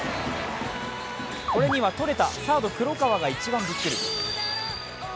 これには、とれたサード・黒川が一番ビックリ。